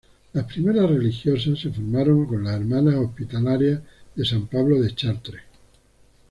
Las primeras religiosas se formaron con las Hermanas Hospitalarias de San Pablo de Chartres.